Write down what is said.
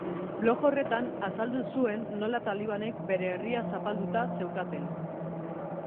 Blog horretan azaldu zuen nola talibanek bere herria zapalduta zeukaten.